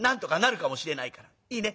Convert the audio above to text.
いいね？